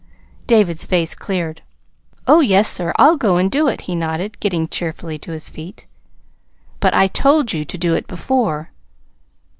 David's face cleared. "Oh, yes, sir. I'll go and do it," he nodded, getting cheerfully to his feet. "But I told you to do it before."